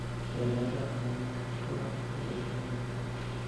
De la noche a la mañana el programa se dejó de emitir.